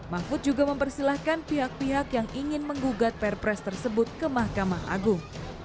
mahfud juga mempersilahkan pihak pihak yang ingin menggugat perpres tersebut ke mahkamah agung